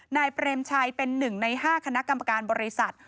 นายเปรมชัยเป็น๑ใน๕คณะกรรมการบริษัท